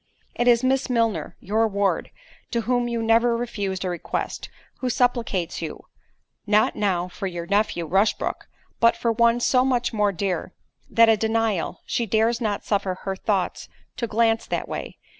"It is Miss Milner, your ward, to whom you never refused a request, who supplicates you—not now for your nephew, Rushbrook, but for one so much more dear, that a denial——she dares not suffer her thoughts to glance that way.